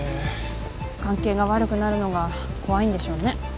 関係が悪くなるのが怖いんでしょうね。